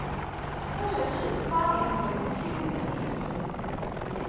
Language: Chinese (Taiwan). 科學是發明可用器物的一門學問